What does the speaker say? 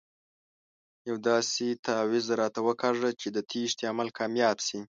یو داسې تاویز راته وکاږه چې د تېښتې عمل کامیاب شي.